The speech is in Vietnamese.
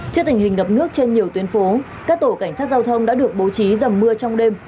trước tình hình ngập nước trên nhiều tuyến phố các tổ cảnh sát giao thông đã được bố trí dầm mưa trong đêm